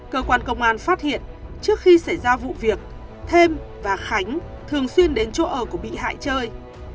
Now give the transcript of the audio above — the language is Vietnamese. cơ quan công an phát hiện trước khi xảy ra vụ việc thêm và khánh thường xuyên đến chỗ ở của bị hại chơi